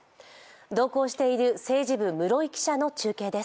同行している政治部・室井記者の中継です。